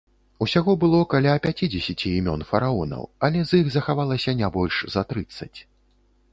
Усяго было каля пяцідзесяці імён фараонаў, але з іх захавалася не больш за трыццаць.